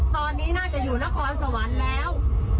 ตอนนี้น่าจะอยู่นครสวรรค์แล้ว